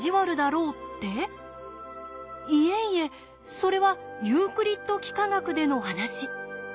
いえいえそれはユークリッド幾何学での話。